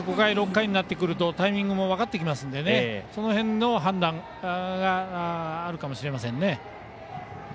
５回、６回になってくるとタイミングも分かってきますのでその辺の判断があるかもしれませんね。